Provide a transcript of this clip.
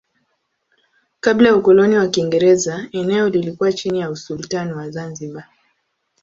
Kabla ya ukoloni wa Kiingereza eneo lilikuwa chini ya usultani wa Zanzibar.